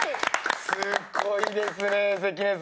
すごいですね関根さん。